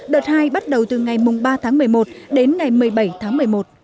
đợt hai bắt đầu từ ngày ba tháng một mươi một đến ngày một mươi bảy tháng một mươi một